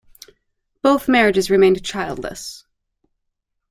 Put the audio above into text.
Both marriages remained childless.